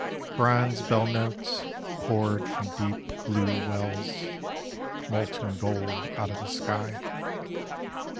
Bronze bell notes poured from deep blue wells: Molten gold out of the sky.